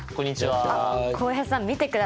浩平さん見てください。